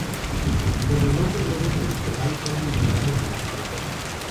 Como el hombre lobo tradicional, son vulnerables a la plata.